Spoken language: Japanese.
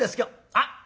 あっ！